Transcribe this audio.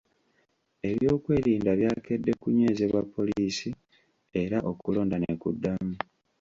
Ebyokwerinda byakedde kunywezebwa poliisi era okulonda ne kuddamu.